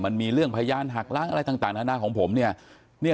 มันมีเรื่องพยานหักล้างอะไรต่างนานาของผมเนี่ย